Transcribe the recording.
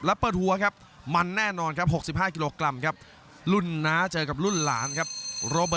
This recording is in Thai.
และเปิดหัวครับมันแน่นอนครับ๖๕กิโลกรัมครับ